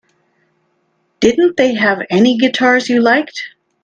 Didn't they have any guitars you liked?